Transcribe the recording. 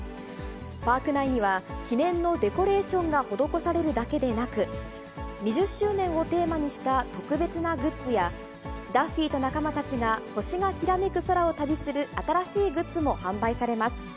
パーク内には記念のデコレーションが施されるだけでなく、２０周年をテーマにした特別なグッズや、ダッフィーと仲間たちが星がきらめく空を旅する新しいグッズも販売されます。